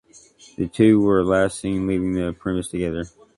The two were last seen leaving the premises together.